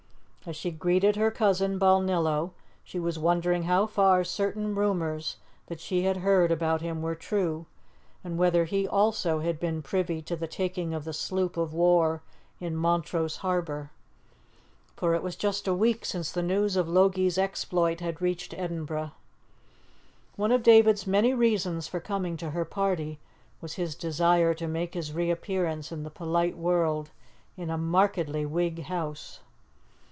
As she greeted her cousin Balnillo, she was wondering how far certain rumours that she had heard about him were true, and whether he also had been privy to the taking of the sloop of war in Montrose harbour, for it was just a week since the news of Logie's exploit had reached Edinburgh. One of David's many reasons for coming to her party was his desire to make his reappearance in the polite world in a markedly Whig house.